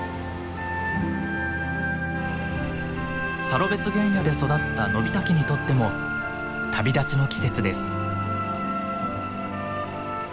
サロベツ原野で育ったノビタキにとっても旅立ちの季節です。